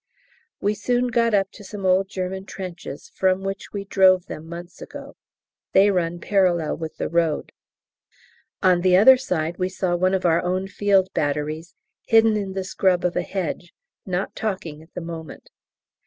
We soon got up to some old German trenches from which we drove them months ago; they run parallel with the road. On the other side we saw one of our own Field Batteries, hidden in the scrub of a hedge not talking at the moment.